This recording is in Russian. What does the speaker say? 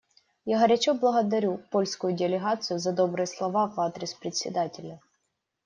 Я горячо благодарю польскую делегацию за добрые слова в адрес Председателя.